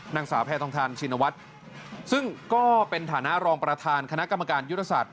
นางสาวแพทองทานชินวัฒน์ซึ่งก็เป็นฐานะรองประธานคณะกรรมการยุทธศาสต